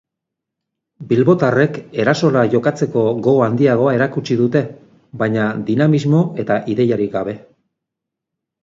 Bilbotarrek erasora jotzeko gogo handiagoa erakutsi dute, baina dinamismo eta ideiarik gabe.